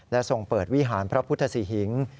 และทรงเปิดวิหารพระพุทธศรีหิง